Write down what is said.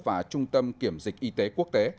và trung tâm kiểm dịch y tế quốc tế